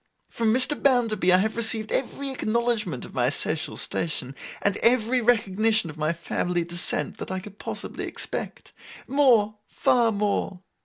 From Mr. Bounderby I have received every acknowledgment of my social station, and every recognition of my family descent, that I could possibly expect. More, far more.